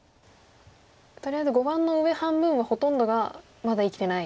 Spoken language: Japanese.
とりあえず碁盤の上半分はほとんどがまだ生きてない。